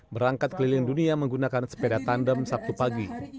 berangkat keliling dunia menggunakan sepeda tandem sabtu pagi